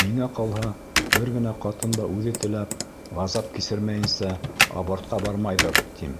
Миңә ҡалһа, бер генә ҡатын да үҙе теләп, ғазап кисермәйенсә абортҡа бармайҙыр, тим.